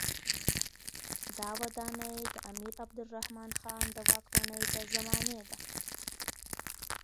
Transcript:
دا ودانۍ د امیر عبدالرحمن خان د واکمنۍ د زمانې ده.